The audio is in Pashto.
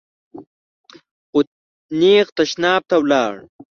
خو نېغ تشناب ته ولاړ .